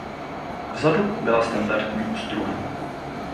Vzadu byla standardní ostruha.